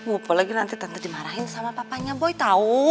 apalagi nanti tante dimarahin sama papanya boy tahu